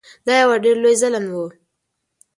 دا یو ډیر لوی ظلم و.